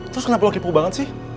terus kenapa lo kepo banget sih